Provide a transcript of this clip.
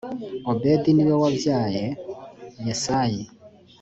obedi b ni we wabyaye yesayi